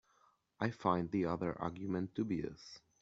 I find the other argument dubious.